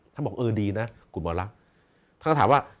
บอกเออดีนะคุณหมอลักษณ์ท่านก็ถามว่า